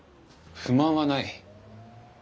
不満はない。